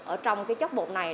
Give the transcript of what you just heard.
ở trong chất bột này